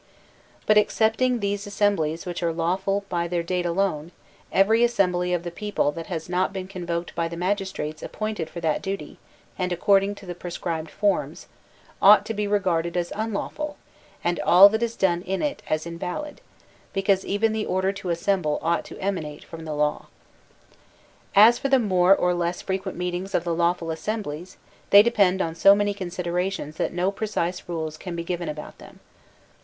But, excepting these assemblies which are lawful by their date alone, every assembly of the people that has not been convoked by the magistrates appointed for that duty and according to the prescribed forms, ought to be regarded as unlawful and all that is done in it as invalid, because even the order to assemble ought to emanate from the law. As for the more or less frequent meetings of the law ful assemblies, they depend on so many considerations that no precise rules can be given about them.